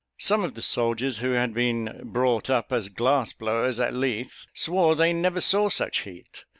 Some of the soldiers, who had been brought up as glass blowers, at Leith, swore they never saw such heat.